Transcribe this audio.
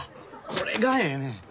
これがええねん。